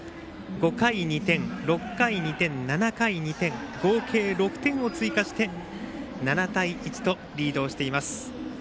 ５回、２点６回、２点７回、２点合計６点を追加して７対１とリードしています。